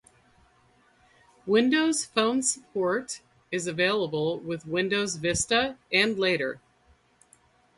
Windows Phone support is available with Windows Vista and later.